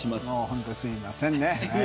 本当すみませんね。